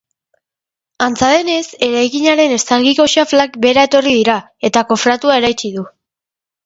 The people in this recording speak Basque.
Antza denez, eraikinaren estalkiko xaflak behera etorri dira eta kofratua eraitsi du.